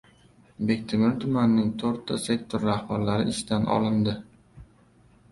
Bektemir tumanining to‘rtta sektor rahbarlari ishdan olindi